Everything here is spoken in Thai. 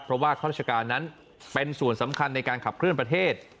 เพราะว่าข้าราชการนั้นเป็นส่วนสำคัญในการขับเคลื่อนประเทศ